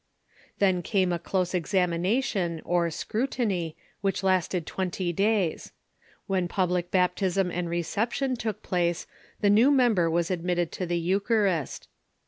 Then came a close examination, or " scrutiny," which lasted twenty days. When public baptism and reception took place the new member was admitted to the Eucharist.